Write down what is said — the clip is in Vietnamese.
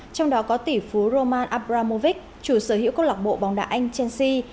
trong đó có tỷ phú roman abramovic chủ sở hữu cốc lọc bộ bóng đá anh chelsea